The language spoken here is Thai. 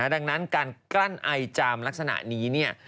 ดังนั้นการกั้นไอจามลักษณะนี้